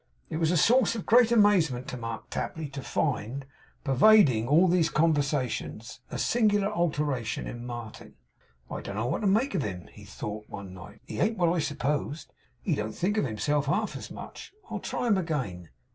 It was a source of great amazement to Mark Tapley to find, pervading all these conversations, a singular alteration in Martin. 'I don't know what to make of him,' he thought one night, 'he ain't what I supposed. He don't think of himself half as much. I'll try him again.